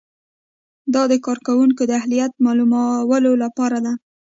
دا د کارکوونکي د اهلیت معلومولو لپاره ده.